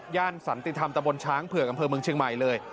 สันติธรรมตะบนช้างเผือกอำเภอเมืองเชียงใหม่เลย